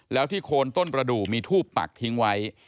แล้วที่โคนต้นประดูกมีทูบปักทิ้งไว้